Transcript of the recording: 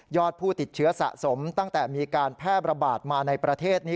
ผู้ติดเชื้อสะสมตั้งแต่มีการแพร่ระบาดมาในประเทศนี้